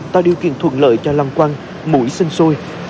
tạo điều kiện thuận lợi cho làm quang mũi sinh sôi